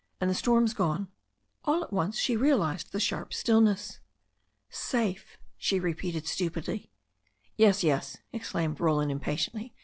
"And the storm's gone." All at once she realized the sharp stillness. 'Safe," she repeated stupidly. 'Yes, yes," exclaimed Roland impatiently.